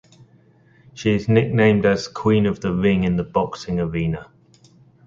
She is nicknamed as "queen of the ring" in the boxing arena.